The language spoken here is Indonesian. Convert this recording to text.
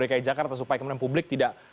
dki jakarta supaya kemudian publik tidak